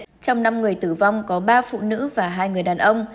trong năm người tử vong có ba phụ nữ và hai người đàn ông